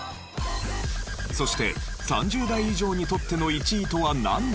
そして３０代以上にとっての１位とはなんなのか？